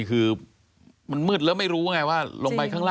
ตกลงไปจากรถไฟได้ยังไงสอบถามแล้วแต่ลูกชายก็ยังไง